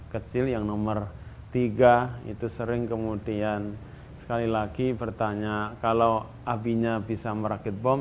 kecil yang nomor tiga itu sering kemudian sekali lagi bertanya kalau abinya bisa merakit bom